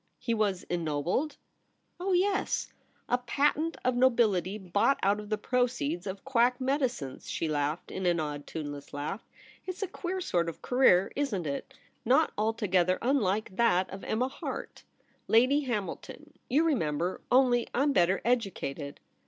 * He was ennobled ?'* Oh yes, a patent of nobility bought out of the proceeds of quack medicines !' She laughed an odd tuneless laugh. ' It's a queer sort of career, isn't it ? Not altogether unlike that of Emma Harte, Lady Hamilton — you re member — only I'm better educated.